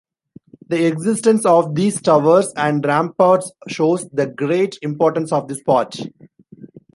The existence of these towers and ramparts shows the great importance of this part.